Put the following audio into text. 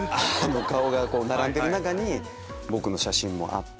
顔が並んでる中に僕の写真もあって。